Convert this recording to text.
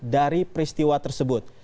dari peristiwa tersebut